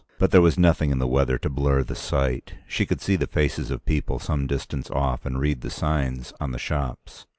But there was nothing in the weather to blur the sight; she could see the faces of people some distance off and read the signs on the shops.